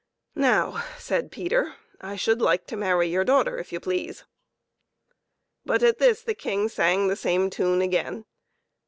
" Now," said Peter, " I should like to marry your daughter, if you please." But at this the King sang the same tune again.